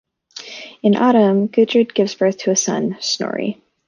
In autumn, Gudrid gives birth to a son, Snorri.